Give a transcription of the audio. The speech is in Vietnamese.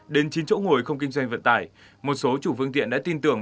đến chín chỗ ngồi không kinh doanh vận tải một số chủ phương tiện đã tin tưởng